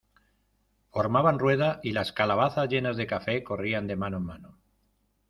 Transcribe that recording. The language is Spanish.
formaban rueda, y las calabazas llenas de café , corrían de mano en mano.